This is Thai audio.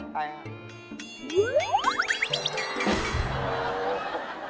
ไก่ครับ